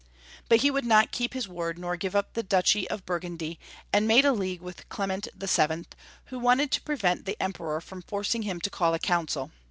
But he would not keep his word nor give up the duchy of Bui'gundy, and made a league with Clement VII., who wanted to prevent the Emperor from forcing him to call a council.